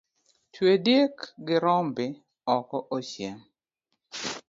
Twe diek gi rombe oko ochiem